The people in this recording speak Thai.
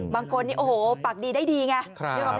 บางคนนี่โอ้โหปากดีได้ดีไง